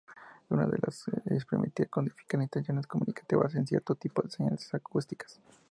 Una de ellas permitía codificar intenciones comunicativas en cierto tipo de señales acústicas.